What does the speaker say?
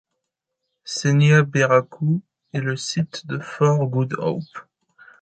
Senya Beraku est le site de Fort Good Hope.